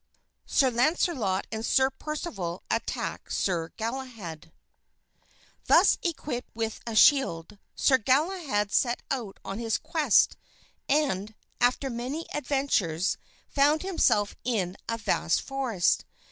Sir Launcelot and Sir Percival Attack Sir Galahad Thus equipped with a shield, Sir Galahad set out on his quest; and, after many adventures, found himself in a vast forest.